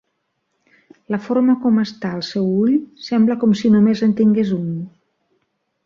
La forma com està el seu ull sembla com si només en tingués un.